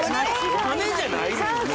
お金じゃないですもんね